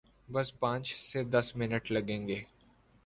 بس پانچھ سے دس منٹ لگئیں گے۔